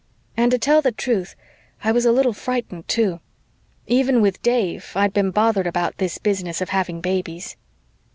And to tell the truth, I was a little frightened, too. Even with Dave, I'd been bothered about this business of having babies.